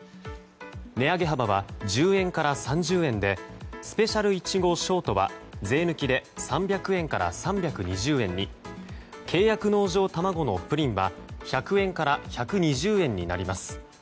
値上げ幅は１０円から３０円でスペシャル苺ショートは税抜きで３００円から３２０円に契約農場たまごのプリンは１００円から１２０円になります。